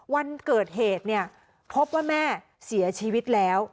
วันเกิดเหตุเนี่ยพบว่าแม่เสียชีวิตแล้ว